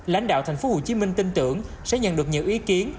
lãnh đạo thành phố hồ chí minh tin tưởng sẽ nhận được nhiều ý kiến